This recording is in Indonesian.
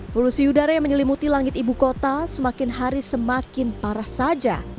polusi udara yang menyelimuti langit ibu kota semakin hari semakin parah saja